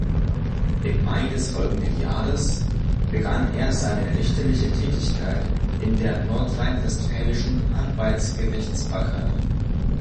Im Mai des folgenden Jahres begann er seine richterliche Tätigkeit in der nordrhein-westfälischen Arbeitsgerichtsbarkeit.